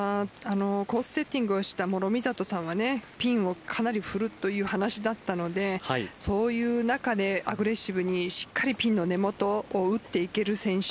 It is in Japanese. コースセッティングをした諸見里さんはピンをかなり振るという話だったのでそういう中で、アグレッシブにしっかりピンの根元を打っていける選手